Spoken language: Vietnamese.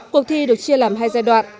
cuộc thi được chia làm hai giai đoạn